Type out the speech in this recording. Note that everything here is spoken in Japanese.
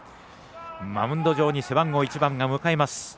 マウンド上に背番号１番が向かいます。